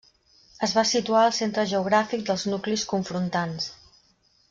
Es va situar al centre geogràfic dels nuclis confrontants.